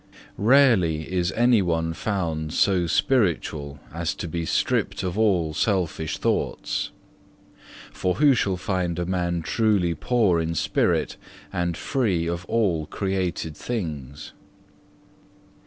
4. Rarely is any one found so spiritual as to be stripped of all selfish thoughts, for who shall find a man truly poor in spirit and free of all created things?